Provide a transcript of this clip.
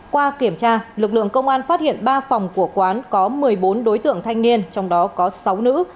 qua kiểm tra lực lượng công an phát hiện ba phòng của quán có một mươi bốn đối tượng thanh niên trong đó có sáu nữ